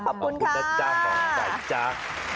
ขอบคุณนะจ๊ะขอบคุณนะจ๊ะ